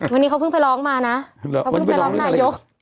วันนี้เขาเพิ่งไปร้องมานะนายก